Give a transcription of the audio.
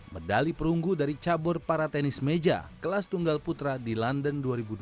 medali perunggu dari cabur para tenis meja kelas tunggal putra di london dua ribu dua belas